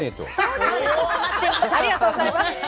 ありがとうございます。